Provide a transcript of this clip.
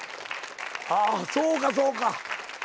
ああそうかそうか。